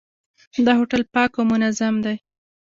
دا هوټل پاک او منظم دی.